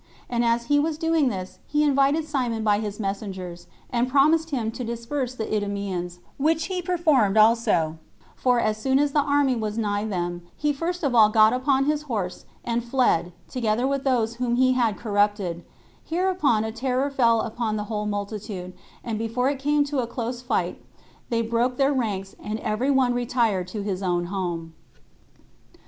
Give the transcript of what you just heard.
And as he was doing this, he invited Simon by his messengers, and promised him to disperse the Idumeans, which he performed also; for as soon as their army was nigh them, he first of all got upon his horse, and fled, together with those whom he had corrupted; hereupon a terror fell upon the whole multitude; and before it came to a close fight, they broke their ranks, and every one retired to his own home.